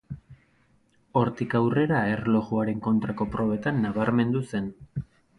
Hortik aurrera, erlojuaren kontrako probetan nabarmendu zen.